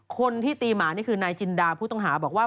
คนที่ตีหมานี่คือนายจินดาผู้ต้องหาบอกว่า